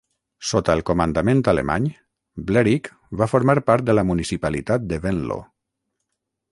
Sota el comandament alemany, Blerick va formar part de la municipalitat de Venlo.